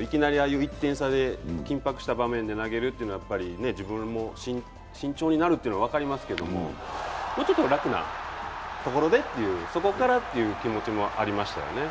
いきなり、ああいう１点差で緊迫した場面で投げるってやっぱり自分もね、慎重になるというのは分かりますけれども、もうちょっと楽なところでっていうそこからという気持ちもありましたよね。